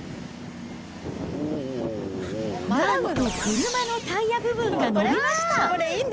なんと、車のタイヤ部分が伸びました。